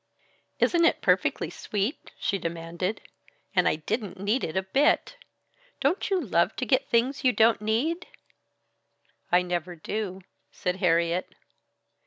"Isn't it perfectly sweet?" she demanded, "and I didn't need it a bit! Don't you love to get things you don't need?" "I never do," said Harriet.